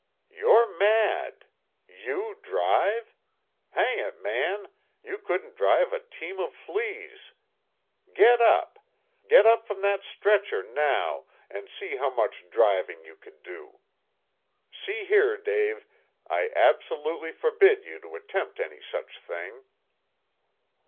"You're mad! You drive? Hang it, man, you couldn't drive a team of fleas. Get up! Get up from that stretcher now, and see how much driving you could do. See here, Dave, I absolutely forbid you to attempt any such thing."